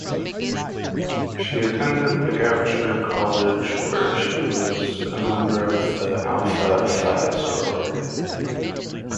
She attended Goucher College where she was a member of Alpha Phi sorority.